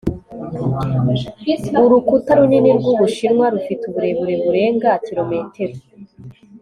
Urukuta runini rwUbushinwa rufite uburebure burenga kilometero